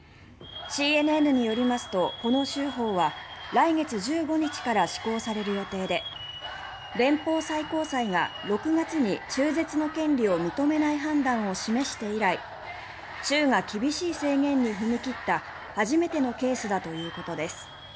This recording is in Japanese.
ＣＮＮによりますとこの州法は来月１５日から施行される予定で連邦最高裁が６月に中絶の権利を認めない判断を示して以来州が厳しい制限に踏み切った初めてのケースだということです。